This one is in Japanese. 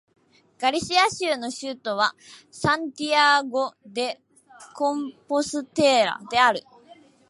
ガリシア州の州都はサンティアゴ・デ・コンポステーラである